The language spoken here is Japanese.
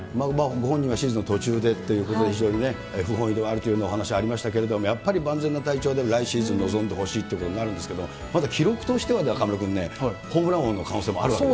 ご本人は手術の途中でということで、不本意ではあるというお話ありましたけれども、やっぱり万全の体調で来シーズン、臨んでほしいというところがあるんですけれども、まだ記録としては、中丸君ね、ホームラン王の可能性もあるんです。